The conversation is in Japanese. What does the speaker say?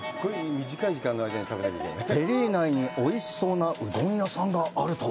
フェリー内に、おいしそうなうどん屋さんがあるとは！